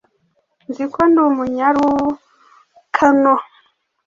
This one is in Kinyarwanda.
Nzi ko ndi umunyarukano